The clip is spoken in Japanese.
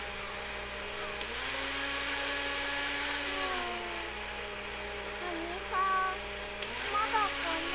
んカニさんまだかな。